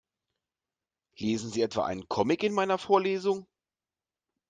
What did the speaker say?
Lesen Sie etwa einen Comic in meiner Vorlesung?